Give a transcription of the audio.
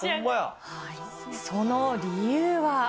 その理由は。